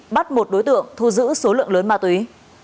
bắt một đối tượng thu giữ số lượng lớn ma túy